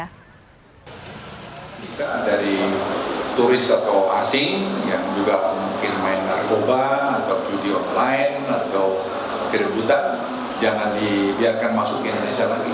kita dari turis atau asing yang juga mungkin main narkoba atau judi online atau keributan jangan dibiarkan masuk ke indonesia lagi